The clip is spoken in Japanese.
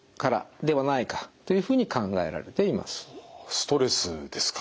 ストレスですか。